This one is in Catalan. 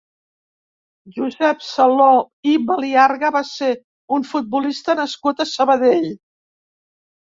Josep Saló i Baliarga va ser un futbolista nascut a Sabadell.